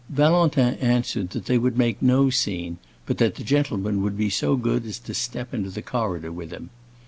Valentin answered that they would make no scene, but that the gentleman would be so good as to step into the corridor with him.